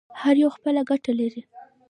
هر یو خپله ګټه لري.